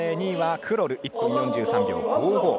２位はクロル、１分４３秒５５。